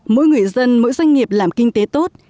mỗi người dân mỗi doanh nghiệp làm kinh tế tốt